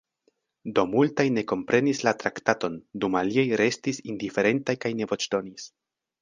Do multaj ne komprenis la traktaton, dum aliaj restis indiferentaj kaj ne voĉdonis.